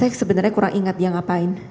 saya sebenarnya kurang ingat dia ngapain